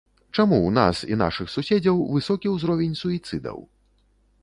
Чаму ў нас і нашых суседзяў высокі ўзровень суіцыдаў?